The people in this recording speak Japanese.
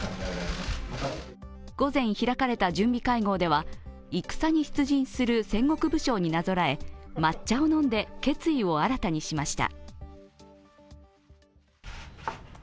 午前、開かれた準備会合では戦に出陣する戦国武将になぞらえ抹茶を飲んで決意を新たにしました。